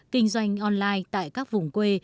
kinh doanh online tại các vùng quê